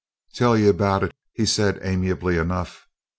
"Tell you about it," he said amiably enough.